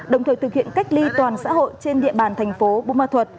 đồng thời thực hiện cách ly toàn xã hội trên địa bàn thành phố bù ma thuật